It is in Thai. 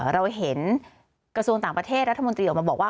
เราเห็นกระทรวงต่างประเทศรัฐมนตรีออกมาบอกว่า